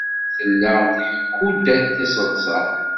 Tella tḥekku-d tiseḍsa.